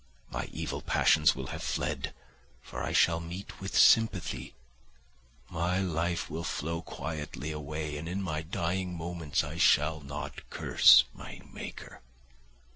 My evil passions will have fled, for I shall meet with sympathy! My life will flow quietly away, and in my dying moments I shall not curse my maker."